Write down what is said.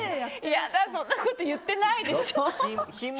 やだ、そんなこと言ってないでしょ。